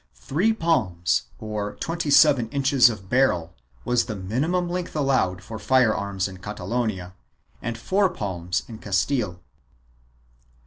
Three palms, or twenty seven inches of barrel, was the minimum length allowed for fire arms in Catalonia and four palms in Castile.